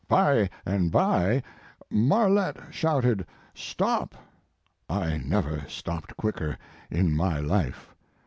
By and by Marlette shouted "Stop!" I never stopped quicker in my life.